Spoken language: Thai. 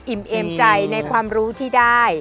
เอมใจในความรู้ที่ได้